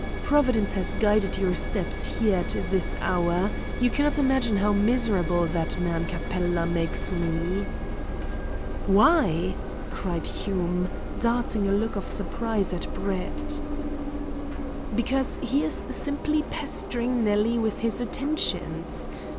"Providence has guided your steps here at this hour. You cannot imagine how miserable that man Capella makes me." "Why?" cried Hume, darting a look of surprise at Brett. "Because he is simply pestering Nellie with his attentions.